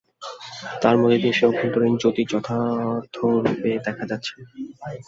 তার মধ্য দিয়ে সেই অভ্যন্তরীণ জ্যোতি যথার্থরূপে দেখা যাচ্ছে।